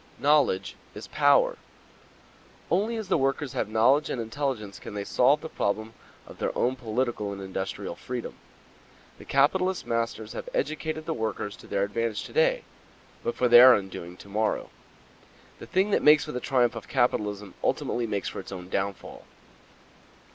Knowledge is power. Only as the workers have knowledge and intelligence can they solve the problem of their own political and industrial freedom. The capitalist masters have educated the workers to their advantage to day, but for their undoing tomorrow. The thing that makes for the triumph of capitalism ultimately makes for its own downfall.